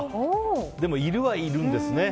でも、いるはいるんですね。